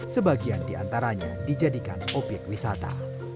sebagian di antaranya dijadikan obyek wisata